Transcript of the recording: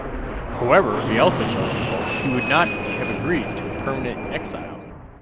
However, he also tells the Hulk he would not have agreed to permanent exile.